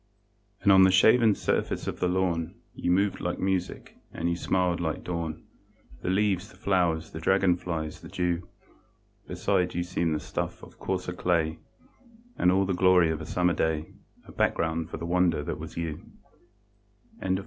And on the shaven surface of the lawn, You moved like music, and you smiled like dawn, The leaves, the flowers, the dragon flies, the dew, Beside you seemed the stuff of coarser clay; And all the glory of the Summer day A background for the wonder that was you.